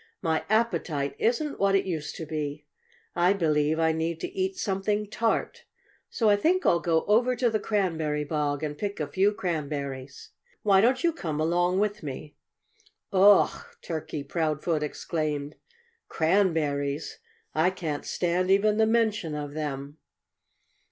"My appetite isn't what it used to be. I believe I need to eat something tart. So I think I'll go over to the cranberry bog and pick a few cranberries. Why don't you come along with me?" "Ugh!" Turkey Proudfoot exclaimed. "Cranberries! I can't stand even the mention of them."